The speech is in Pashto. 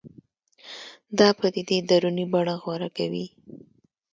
دا پدیدې دروني بڼه غوره کوي